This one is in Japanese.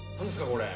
これ。